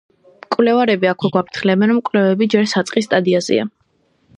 მკვლევარები აქვე გვაფრთხილებენ, რომ კვლევები ჯერ საწყის სტადიაზეა.